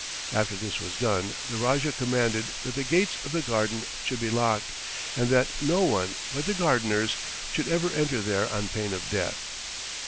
After this was done the Rajah commanded that the gates of the garden should be locked, and that no one but the gardeners should ever enter there on pain of death.